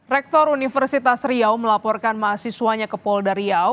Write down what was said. rektor universitas riau melaporkan mahasiswanya ke polda riau